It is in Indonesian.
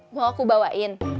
mau aku bawain